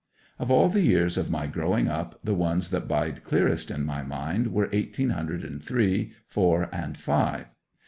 'Of all the years of my growing up the ones that bide clearest in my mind were eighteen hundred and three, four, and five.